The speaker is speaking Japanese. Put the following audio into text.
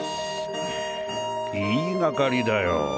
言いがかりだよ。